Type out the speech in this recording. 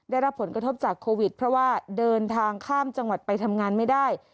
ได้รับผลกระทบจากโควิดเพราะว่าเดินทางข้ามจังหวัดไปทำงานไม่ได้